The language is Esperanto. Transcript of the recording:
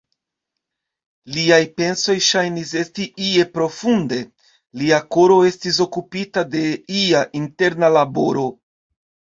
Liaj pensoj ŝajnis esti ie profunde, lia koro estis okupita de ia interna laboro.